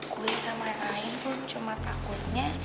gue sama lain lain pun cuma takutnya